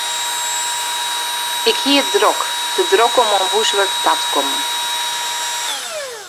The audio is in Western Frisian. Ik hie it drok, te drok om oan húswurk ta te kommen.